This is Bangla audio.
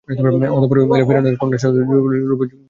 অতঃপর ঐ মহিলাই ফিরআউনের কন্যার চুল বিন্যাসকারিণী রূপে নিযুক্ত হন।